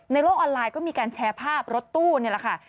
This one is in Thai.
โลกออนไลน์ก็มีการแชร์ภาพรถตู้นี่แหละค่ะ